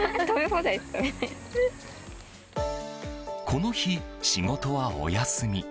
この日、仕事はお休み。